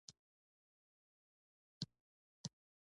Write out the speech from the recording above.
• د میلمستیا مېلمانه د ډوډۍ لپاره کښېناستل.